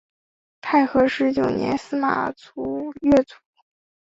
太和十九年司马跃卒。